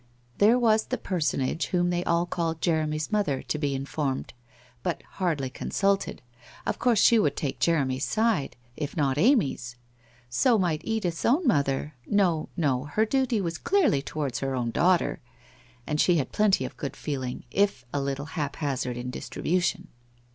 There was the personage whom they all called Jeremy's mother, to be informed, but hardly con sulted — of course she would take Jeremy's side — if not Amy's. So might Edith's own mother — no — no — her duty was clearly towards her own daughter, and she had plenty of good feeling, if a little haphazard in distribu tion.